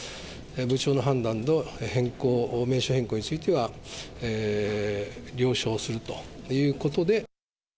部長の判断の変更、名称変更については、了承するということで。